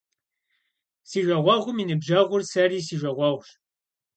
Си жагъуэгъум и ныбжьэгъур сэри си жагъуэгъущ.